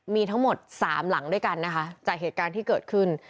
มีทั้งหมด๓หลังด้วยกันนะคะจากเหตุการณ์ที่เกิดขึ้น